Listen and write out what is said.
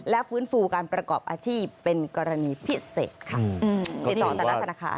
และฟื้นฟูการประกอบอาชีพเป็นกรณีพิเศษค่ะ